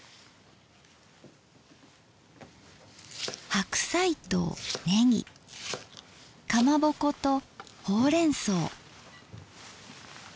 白菜とねぎかまぼことほうれんそう。